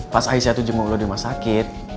pas aisyah tuh jempol lo di rumah sakit